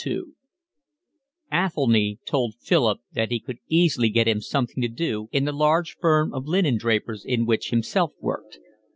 CII Athelny told Philip that he could easily get him something to do in the large firm of linendrapers in which himself worked.